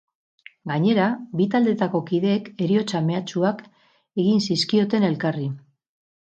Gainera, bi taldeetako kideek heriotza mehatxuak egin zizkioten elkarri.